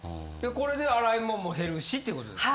これで洗い物も減るしっていう事ですか？